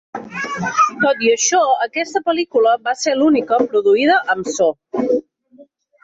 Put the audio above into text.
Tot i això, aquesta pel·lícula va ser l'única produïda amb so.